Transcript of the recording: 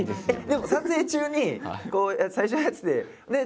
でも撮影中にこう最初のやつでね